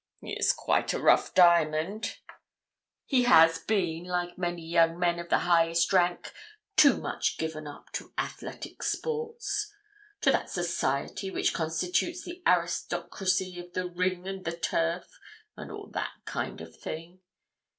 He is quite a rough diamond. He has been, like many young men of the highest rank, too much given up to athletic sports to that society which constitutes the aristocracy of the ring and the turf, and all that kind of thing.